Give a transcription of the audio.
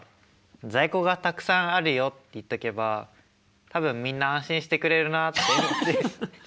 在庫がたくさんあるよって言っとけば多分みんな安心してくれるなって思って。